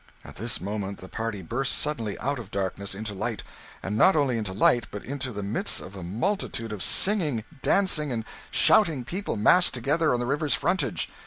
At this moment the party burst suddenly out of darkness into light; and not only into light, but into the midst of a multitude of singing, dancing, and shouting people, massed together on the river frontage.